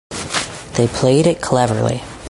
They played it cleverly.